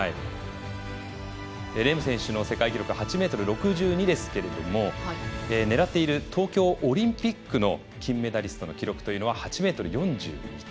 レーム選手の世界記録８ｍ６２ですけれども狙っている東京オリンピックの金メダリストの記録というのは８ｍ４１。